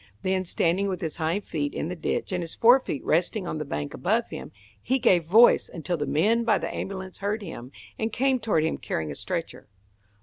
Then, standing with his hind feet in the ditch and his fore feet resting on the bank above him, he gave voice until the men by the ambulance heard him, and came toward him carrying a stretcher.